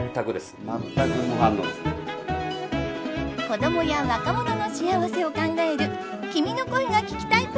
子どもや若者の幸せを考える君の声が聴きたいプロジェクト